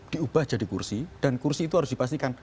diubah jadi kursi dan kursi itu harus dipastikan